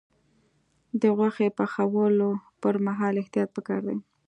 د غوښې پخولو پر مهال احتیاط پکار دی.